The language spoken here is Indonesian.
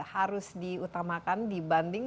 harus diutamakan dibanding